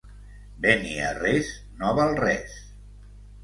Beniarrés no val res.